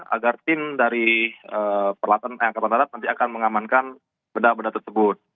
agar tim dari peralatan angkatan darat nanti akan mengamankan benda benda tersebut